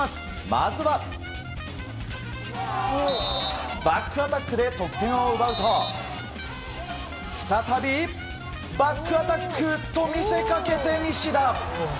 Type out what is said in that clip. まずは、バックアタックで得点を奪うと再び、バックアタック！と見せかけて西田。